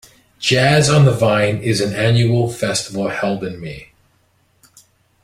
Jazz on the Vine is an annual festival held in May.